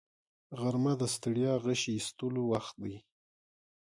غرمه د ستړیا غشي ایستلو وخت دی